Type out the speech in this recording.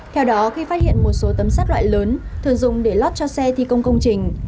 theo đó khi phát hiện một số tấm sát loại lớn thường dùng để lót cho xe thi công công trình